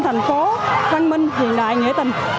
thành phố văn minh hiện đại nghĩa tình